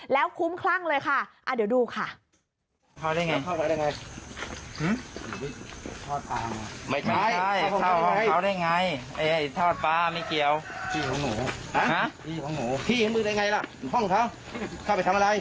แล้วคุ้มคลั่งเลยค่ะเดี๋ยวดูค่ะ